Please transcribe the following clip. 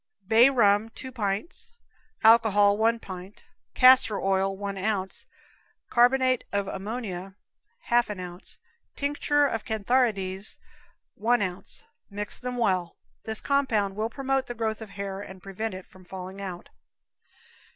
Bay rum, two pints; alcohol, one pint; castor oil, one ounce; carb. ammonia, half an ounce; tincture of cantharides, one ounce. Mix them well. This compound will promote the growth of the hair and prevent it from falling out.